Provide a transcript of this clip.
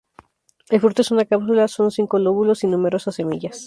El fruto es una cápsula con cinco lóbulos y numerosas semillas.